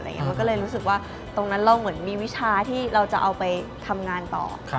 มันก็เลยรู้สึกว่าตรงนั้นเราเหมือนมีวิชาที่เราจะเอาไปทำงานต่อ